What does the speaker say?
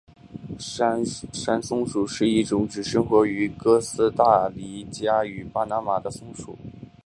山松鼠是一种只生活于哥斯大黎加与巴拿马的松鼠。